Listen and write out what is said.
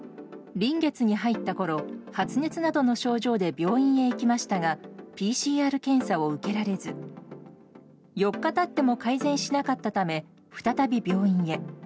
臨月に入ったころ発熱などの症状で病院へ行きましたがＰＣＲ検査を受けられず４日経っても改善しなかったため再び病院へ。